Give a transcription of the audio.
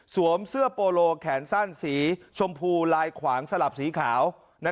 เสื้อโปโลแขนสั้นสีชมพูลายขวางสลับสีขาว